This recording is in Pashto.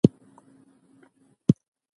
له سياسي واک څخه بايد ناوړه ګټه پورته نه سي.